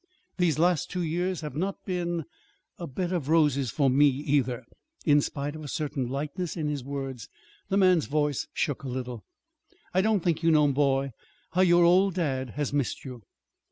These last two years have not been er a bed of roses for me, either." In spite of a certain lightness in his words, the man's voice shook a little. "I don't think you know, boy, how your old dad has missed you."